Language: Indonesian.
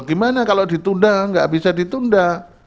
duh gimana kalau ditunda gak bisa ditunda